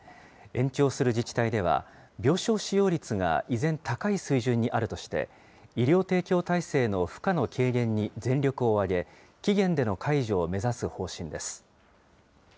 延長する自治体では、病床使用率が依然高い水準にあるとして、医療提供体制の負荷の軽減に全力を挙げ、期限での解除を目指す方針です。